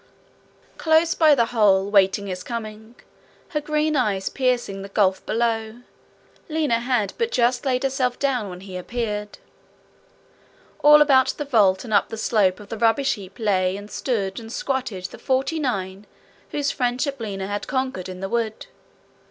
Close by the hole, waiting his coming, her green eyes piercing the gulf below, Lina had but just laid herself down when he appeared. All about the vault and up the slope of the rubbish heap lay and stood and squatted the forty nine whose friendship Lina had conquered in the wood.